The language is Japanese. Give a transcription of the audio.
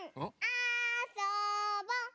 あそぼ！